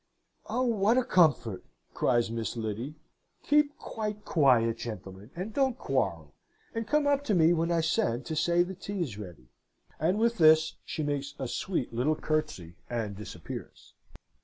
"'Oh, what a comfort!' cries Miss Lyddy. 'Keep quite quiet, gentlemen, and don't quarrel, and come up to me when I send to say the tea is ready.' And with this she makes a sweet little curtsey, and disappears.